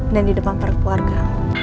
dan di depan para keluarga